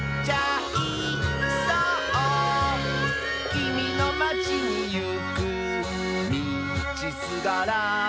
「きみのまちにいくみちすがら」